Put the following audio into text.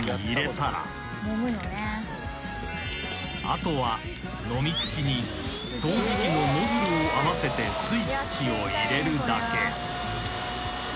［あとは飲み口に掃除機のノズルを合わせてスイッチを入れるだけ］